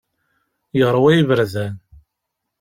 Yeṛwa iberdan.